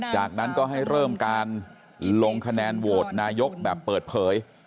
จากนั้นก็ให้เริ่มการลงคะแนนโหวตนายกแบบเปิดเผย